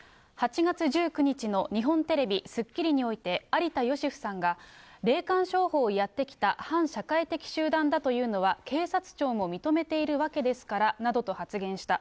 ８月１９日の日本テレビ、スッキリにおいて、有田芳生さんが、霊感商法をやってきた反社会的集団だというのは警察庁も認めているわけですからなどと発言した。